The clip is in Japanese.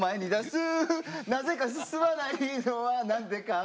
「なぜか進まないのは何でか」